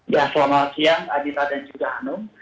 ya selamat siang anita dan juga anung